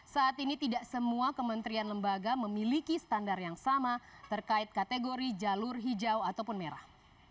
saat ini tidak semua kementerian lembaga memiliki standar yang sama terkait kategori jalur hijau ataupun merah